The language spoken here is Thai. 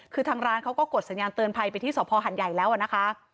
คือทางร้านเขาก็กดสัญญาณเตือนภัยไปที่สภหัดใหญ่แล้วนะคะ